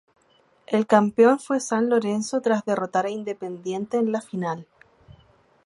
El campeón fue San Lorenzo tras derrotar a Independiente en la final.